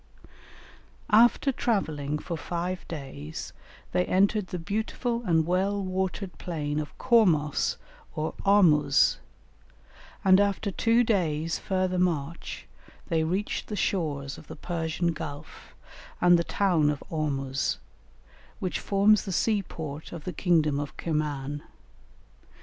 After travelling for five days they entered the beautiful and well watered plain of Cormos or Ormuz, and after two days' further march they reached the shores of the Persian Gulf and the town of Ormuz, which forms the sea port of the kingdom of Kirman.